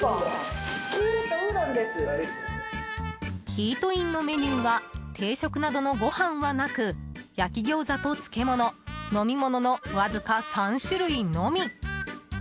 イートインのメニューは定食などのご飯はなく焼餃子と漬物、飲み物のわずか３種類のみ。